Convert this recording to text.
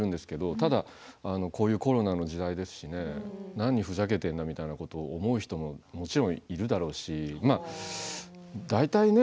ただこういうコロナの時代ですしね何ふざけてんだみたいなことを思う人も、もちろんいるだろうし大体ね